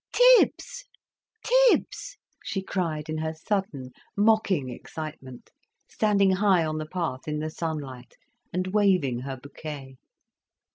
"Tibs! Tibs!" she cried in her sudden, mocking excitement, standing high on the path in the sunlight and waving her bouquet.